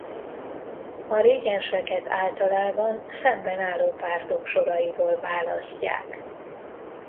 A régenseket általában szemben álló pártok soraiból választják.